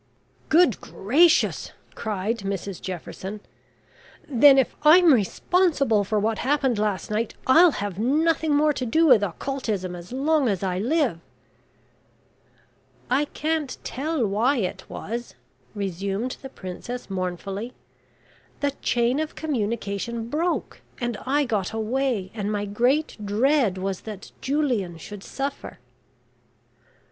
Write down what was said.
"Good gracious!" cried Mrs Jefferson; "then, if I'm responsible for what happened last night, I'll have nothing more to do with Occultism as long as I live." "I can't tell why it was," resumed the Princess, mournfully. "The chain of communication broke, and I got away, and my great dread was that Julian should suffer."